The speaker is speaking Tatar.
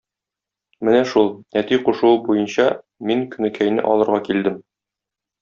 Менә шул, әти кушуы буенча, мин Көнекәйне алырга килдем.